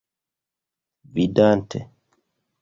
vidante